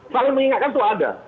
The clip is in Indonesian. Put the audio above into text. saling mengingatkan itu ada